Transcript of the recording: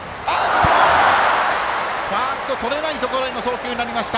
ファースト、とれないところへの送球になりました。